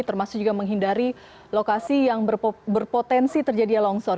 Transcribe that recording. termasuk juga menghindari lokasi yang berpotensi terjadinya longsor